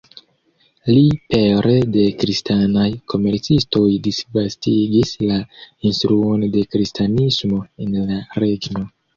Li pere de kristanaj komercistoj disvastigis la instruon de kristanismo en la regno.